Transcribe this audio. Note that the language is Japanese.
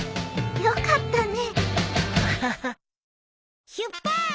よかったね。